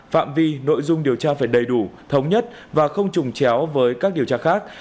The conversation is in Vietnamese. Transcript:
phạm vi nội dung điều tra phải đầy đủ thống nhất và không trùng chéo với các điều tra khác